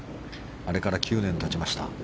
あれから９年経ちました。